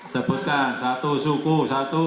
sebutkan satu suku satu